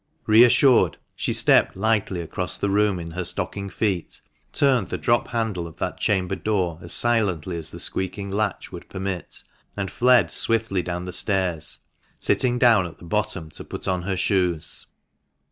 Re assured, she stepped lightly across the room in her stocking feet, turned the drop handle of that chamber door as silently as the squeaking latch would permit, and fled swiftly down the stairs, sitting down at the bottom to put on her shoes.